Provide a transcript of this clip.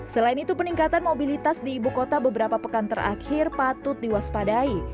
selain itu peningkatan mobilitas di ibu kota beberapa pekan terakhir patut diwaspadai